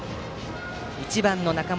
１番の中本